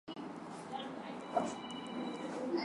Baba ana ripa bantu bende baka rime ku mashamba yetu